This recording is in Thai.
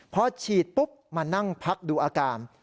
พอฉีดปุ๊บมานั่งพักดูอาการ